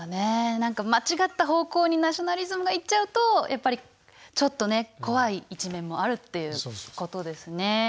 何か間違った方向にナショナリズムがいっちゃうとやっぱりちょっとね怖い一面もあるっていうことですね。